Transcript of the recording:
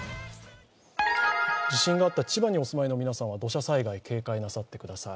地震があった千葉にお住まいの皆さんは土砂災害、警戒なさってください。